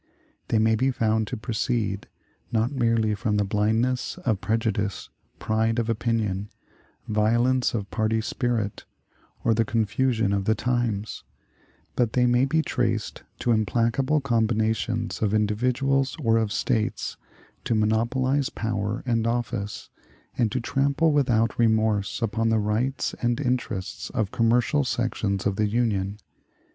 They may be found to proceed, not merely from the blindness of prejudice, pride of opinion, violence of party spirit, or the confusion of the times; but they may be traced to implacable combinations of individuals or of States to monopolize power and office, and to trample without remorse upon the rights and interests of commercial sections of the Union.